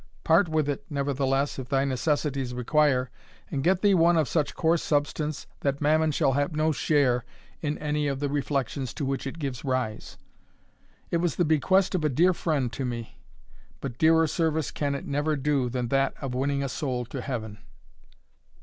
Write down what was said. Part with it, nevertheless, if thy necessities require, and get thee one of such coarse substance that Mammon shall have no share in any of the reflections to which it gives rise. It was the bequest of a dear friend to me; but dearer service can it never do than that of winning a soul to Heaven."